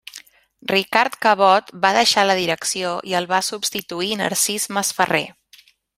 Ricard Cabot va deixar la direcció i el va substituir Narcís Masferrer.